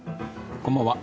こんばんは。